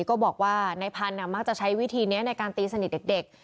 ก็บอกว่านายพันธุ์มักจะใช้วิธีนี้ในการตีสนิทเด็ก